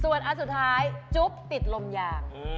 ส่วนอันสุดท้ายจุ๊บติดลมยาง